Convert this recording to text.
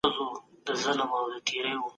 د سکولاستیک طریقه ګټوره وه که نه؟